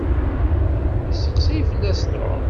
Yesteqsay fell-as Tom.